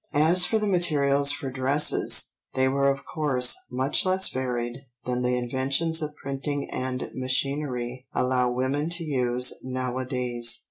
As for the materials for dresses, they were of course much less varied than the inventions of printing and machinery allow women to use nowadays.